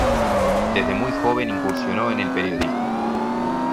Desde muy joven incursionó en el periodismo.